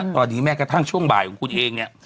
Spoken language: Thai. ตอนนี้แม้กระทั่งช่วงบ่ายของคุณเองเนี่ย